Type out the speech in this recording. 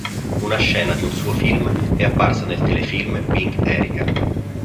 Una scena di un suo film è apparsa nel telefilm "Being Erica".